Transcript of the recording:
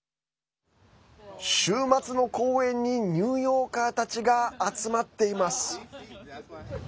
週末の公園にニューヨーカーたちが集まっています。